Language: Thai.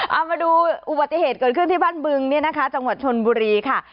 เอามาดูอุบัติเหตุเกิดขึ้นที่บ้านบึงเนี่ยนะคะจังหวัดชนบุรีค่ะ